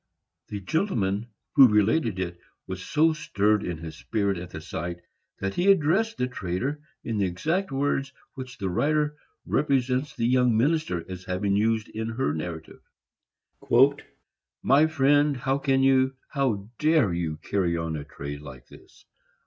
The gentleman who related it was so stirred in his spirit at the sight, that he addressed the trader in the exact words which the writer represents the young minister as having used in her narrative. My friend, how can you, how dare you, carry on a trade like this?